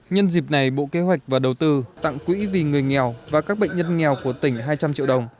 nhân dịp này bộ kế hoạch và đầu tư tặng quỹ vì người nghèo và các bệnh nhân nghèo của tỉnh hai trăm linh triệu đồng